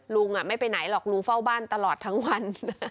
ลุงไม่ไปไหนหรอกลุงเฝ้าบ้านตลอดทั้งวัน